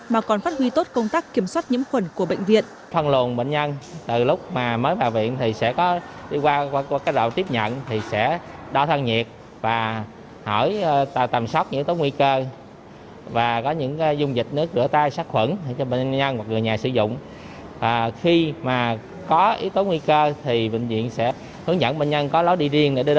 mà còn phát huy tốt công tác kiểm soát nhiễm khuẩn của bệnh viện